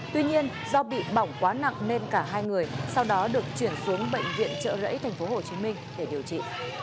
tuy nhiên do bị bỏng quá nặng nên cả hai người sau đó được chuyển xuống bệnh viện trợ rẫy thành phố hồ chí minh để điều trị